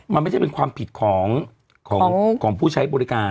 มันไม่ใช่เป็นความผิดของผู้ใช้บริการ